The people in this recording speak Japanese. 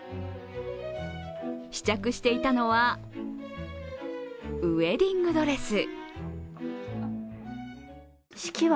試着していたのはウエディングドレス。